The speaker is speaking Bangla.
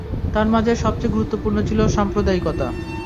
তার মাঝে সবচে গুরুত্বপূর্ণ ছিল সাম্প্রদায়িকতা।